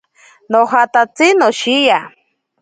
Nojatatsi noshiya.